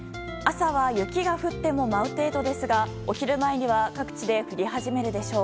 朝は雪が降っても舞う程度ですがお昼前には各地で降り始めるでしょう。